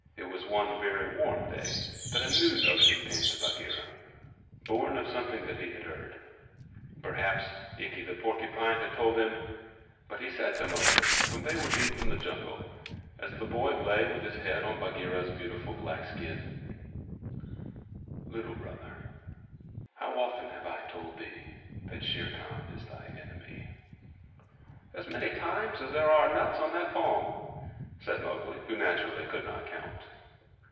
It was one very warm day that a new notion came to Bagheera born of something that he had heard. Perhaps Ikki the Porcupine had told him; but he said to Mowgli when they were deep in the jungle, as the boy lay with his head on Bagheera's beautiful black skin, "Little Brother, how often have I told thee that Shere Khan is thy enemy?" "As many times as there are nuts on that palm," said Mowgli, who, naturally, could not count.